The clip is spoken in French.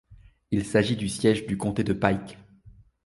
Il s'agit du siège du comté de Pike.